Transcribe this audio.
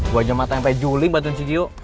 gue aja mati sampe juli bantuin si gio